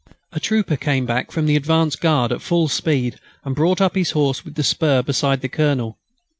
A trooper came back from the advance guard at full speed, and brought up his horse with the spur beside the Colonel.